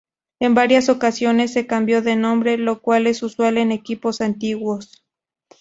En varias ocasiones se cambió de nombre, lo cual es usual en equipos antiguos.